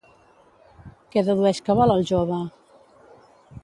Què dedueix que vol el jove?